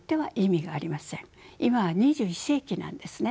今は２１世紀なんですね。